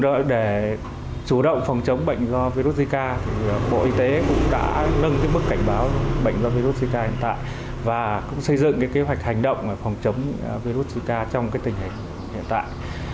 để chủ động phòng chống bệnh do virus zika thì bộ y tế cũng đã nâng cái mức cảnh báo bệnh do virus sica hiện tại và cũng xây dựng cái kế hoạch hành động phòng chống virus zika trong cái tình hình hiện tại